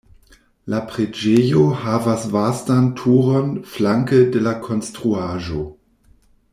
La preĝejo havas vastan turon flanke de la konstruaĵo.